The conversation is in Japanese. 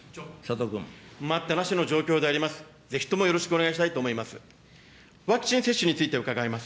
待ったなしの状況であります。